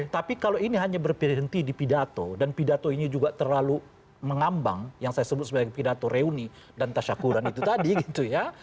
tapi kalau ini hanya berpikir di pidato dan pidato ini juga terlalu mengambang yang saya sebut sebagai pidato reuni dan tasyakuran itu tadi gitu ya